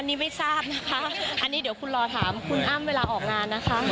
อันนี้ไม่ทราบนะคะอันนี้เดี๋ยวคุณรอถามคุณอ้ำเวลาออกงานนะคะ